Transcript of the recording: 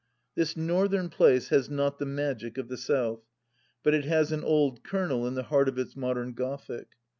... This Northern place has not the magic of the South, but it has an old kernel in the heart of its modern Gothic.